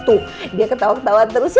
tuh biar ketawa ketawa terus ya